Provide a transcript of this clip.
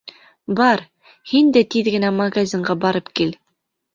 Бар, һин дә тиҙ генә магазинға барып кил.